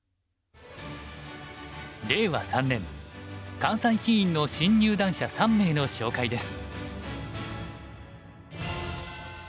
令和三年関西棋院の新入段者３名の紹介です。